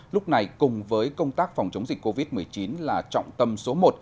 lúc này cùng với công tác phòng chống dịch covid một mươi chín là trọng tâm số một